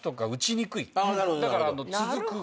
だから続く。